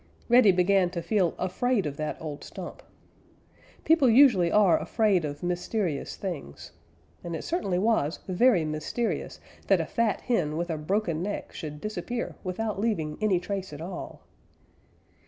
Reddy began to feel afraid of that old stump. People usually are afraid of mysterious things, and it certainly was very mysterious that a fat hen with a broken neck should disappear without leaving any trace at all.